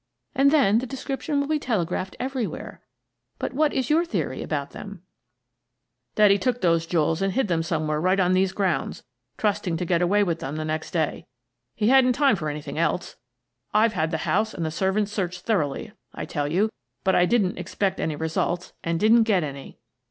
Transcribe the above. And then the description will be telegraphed every where. But what is your theory about them?" " That he took those jewels and hid them some where right on these grounds, trusting to get away with them the next day. He hadn't time for any thing else. I've had the house and the servants searched thoroughly, I tell you, but I didn't expect any results, and didn't get any."